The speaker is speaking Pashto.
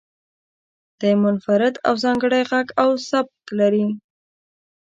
دی منفرد او ځانګړی غږ او سبک لري.